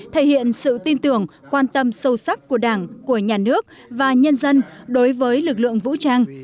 thể hiện sự tin tưởng quan tâm sâu sắc của đảng của nhà nước và nhân dân đối với lực lượng vũ trang